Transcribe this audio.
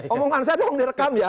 omongan saya di rekam ya